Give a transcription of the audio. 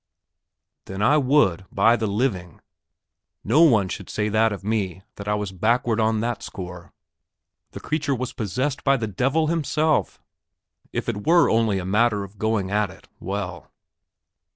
Then I would, by the living.... No one should say of me that I was backward on that score. The creature was possessed by the devil himself! If it were only a matter of going at it, well....